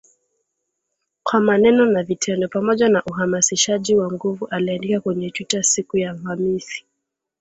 Kwa maneno na vitendo, pamoja na uhamasishaji wa nguvu aliandika kwenye Twitter siku ya Alhamisi